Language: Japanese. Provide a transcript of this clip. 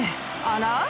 あら？